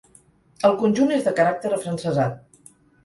El conjunt és de caràcter afrancesat.